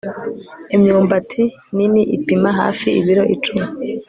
imyumbati nini ipima hafi ibiro icumi